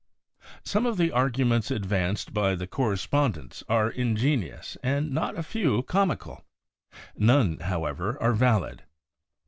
Some of the arguments advanced by the correspondents are ingenious and not a few comical. None, how ever, are valid.